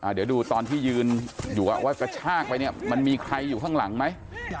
เดี๋ยวดูตอนที่ยืนอยู่ว่ากระชากไปเนี่ยมันมีใครอยู่ข้างหลังไหม